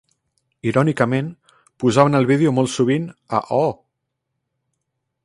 Irònicament, posaven el vídeo molt sovint a Oh!